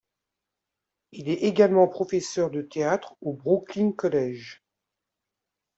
Il est également professeur de théâtre au Brooklyn College.